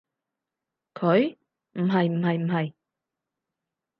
佢？唔係唔係唔係